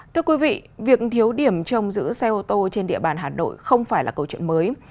thưa quý vị việc thiếu điểm trồng giữ xe ô tô trên địa bàn hà nội không phải là câu chuyện mới